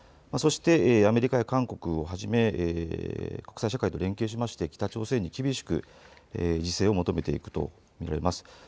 そしてアメリカや韓国をはじめ国際社会と連携しまして北朝鮮に厳しく自制を求めていくものと見られます。